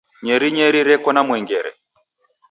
Nyerinyeri reko na mwengere.